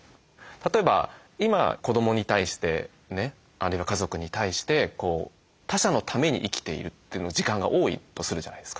例えば今子どもに対してねあるいは家族に対して他者のために生きているという時間が多いとするじゃないですか。